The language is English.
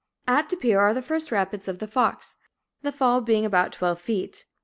At Depere are the first rapids of the Fox, the fall being about twelve feet.